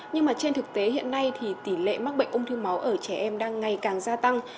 nhưng mà trên thực tế hiện nay thì tỷ lệ mắc bệnh ung thư máu ở trẻ em đang ngày càng gia tăng